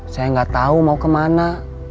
saya nggak tahu mau kemana